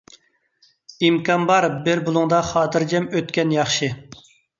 ئىمكان بار، بىر بۇلۇڭدا خاتىرجەم ئۆتكەن ياخشى.